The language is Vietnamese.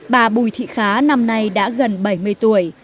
bà bùi thị khá năm nay đã gần bảy mươi tuổi